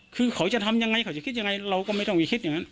คือเขาจะทำยังไงเขาจะคิดยังไงเราก็ไม่ต้องไปคิดอย่างนั้น